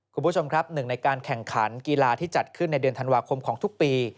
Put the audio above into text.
คุณผู้ชมครับหนึ่งในการแข่งขันกีฬาที่จัดขึ้นในเดือนธันวาคมของทุกปี